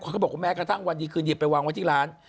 เขาบอกว่าแม้กระทั่งวันดีคืนเดียวไปวางไว้ที่ร้าน